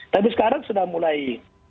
tapi sekarang sudah mulai